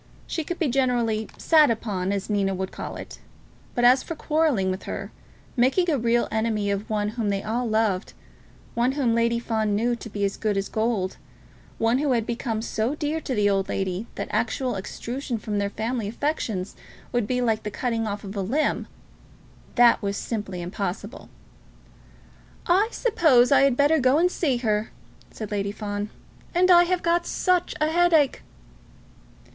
She could be generally "sat upon," as Nina would call it. But as for quarrelling with her, making a real enemy of one whom they all loved, one whom Lady Fawn knew to be "as good as gold," one who had become so dear to the old lady that actual extrusion from their family affections would be like the cutting off of a limb, that was simply impossible. "I suppose I had better go and see her," said Lady Fawn, "and I have got such a headache."